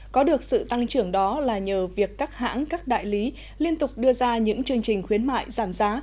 có được sự tăng trưởng đó là nhờ việc các hãng các đại lý liên tục đưa ra những chương trình khuyến mại giảm giá